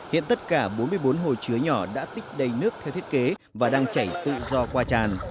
hiện tất cả bốn mươi bốn hồ chứa nhỏ đã tích đầy nước theo thiết kế và đang chảy tự do qua tràn